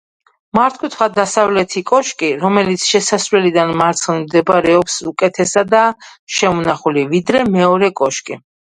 მართკუთხა დასავლეთი კოშკი, რომელიც შესასვლელიდან მარცხნივ მდებარეობს უკეთესადაა შემონახული ვიდრე მეორე კოშკი.